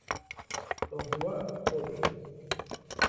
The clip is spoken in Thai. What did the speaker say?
ตงฮั้ว โฮลดิ้ง